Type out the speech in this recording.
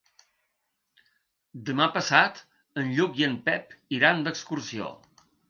Demà passat en Lluc i en Pep iran d'excursió.